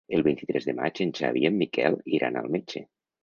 El vint-i-tres de maig en Xavi i en Miquel iran al metge.